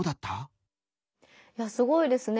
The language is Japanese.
いやすごいですね。